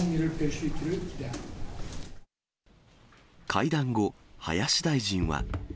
会談後、林大臣は。